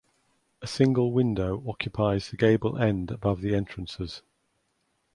A single window occupies the gable end above the entrances.